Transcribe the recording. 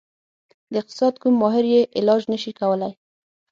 د اقتصاد کوم ماهر یې علاج نشي کولی.